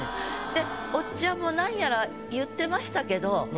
でおっちゃんも何やら言ってましたけど。